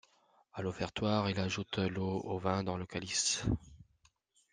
À l'offertoire, il ajoute l'eau au vin dans le calice.